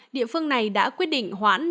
địa phương này đã quyết định hoãn